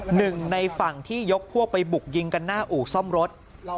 หนึ่งในฝั่งที่ยกพวกไปบุกยิงกันหน้าอู่ซ่อมรถ